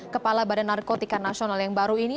kepala badan narkotika nasional yang baru ini